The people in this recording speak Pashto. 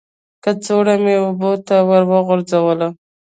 کڅوړه مې اوبو ته ور وغورځوله.